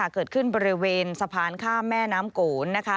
เกิดขึ้นบริเวณสะพานข้ามแม่น้ำโกนนะคะ